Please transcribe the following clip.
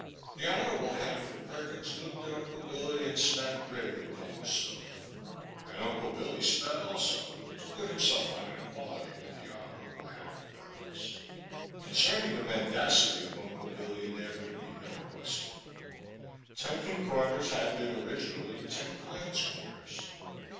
The Hon. Hanford Perkins looked at Unde Billy and spat gravely upon the stove, and Uncle Billy spat also, to put himsdf on an equality with the Hon. Hanford Perkins. Concerning the mendacity of Unde Billy there could be no question. Ten Pin Comers had been originally Ten Pines Corners.